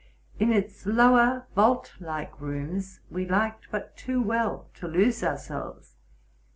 In its lower vault like rooms we liked but too well to lose ourselves.